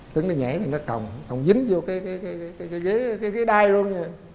tứng đi nhảy thì nó còng còng dính vô cái đai luôn